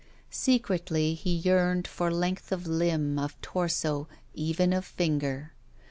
Secretly he yearned for length of limb, of torso, even of finger.